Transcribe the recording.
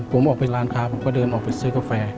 ผมออกไปร้านค้าผมก็เดินออกไปซื้อกาแฟ